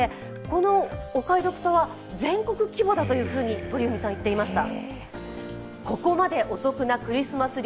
このお買い得さは全国規模だというふうに鳥海さん言っていました。